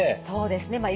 そうですね。